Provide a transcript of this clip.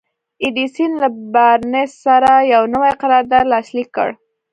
ايډېسن له بارنس سره يو نوی قرارداد لاسليک کړ.